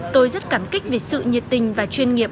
tôi rất cảm kích vì sự nhiệt tình và chuyên nghiệp